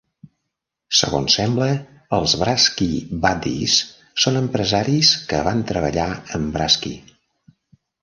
Segons sembla, els Brasky Buddies són empresaris que van treballar amb Brasky.